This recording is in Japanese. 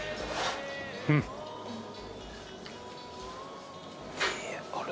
うん。あれ？